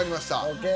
ＯＫ。